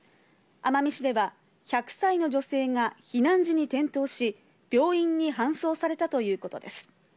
奄美市では１００歳の女性が避難時に転倒し、病院に搬送されたということです。